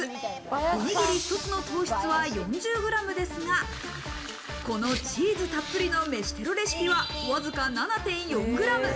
おにぎり１つの糖質は４０ｇですが、このチーズたっぷりの飯テロレシピは、わずか７．４ｇ。